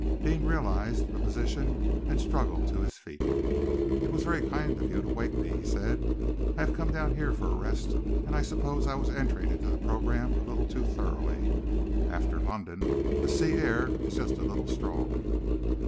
Deane realized the position and struggled to his feet. "It was very kind of you to wake me," he said. "I have come down here for a rest, and I suppose I was entering into the programme a little too thoroughly. After London, the sea air is just a little strong."